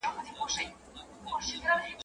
و گټه، پيل وخوره.